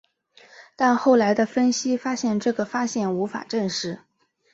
但后来的分析发现这个发现无法证实。